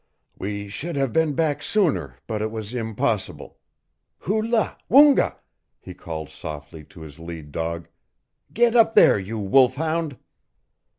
"We should have been back sooner, but it was impossible. Hoo la, Woonga!" he called softly to his lead dog. "Get up there, you wolf hound!"